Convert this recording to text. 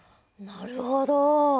なるほど。